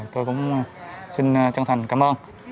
tôi cũng xin chân thành cảm ơn